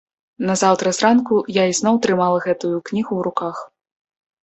Назаўтра зранку я ізноў трымала гэтую кнігу ў руках.